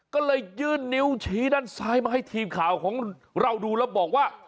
ก็เลยยื่นนิ้วชี้ด้านซ้ายมาให้ทีมข่าวของเราดูแล้วบอกว่า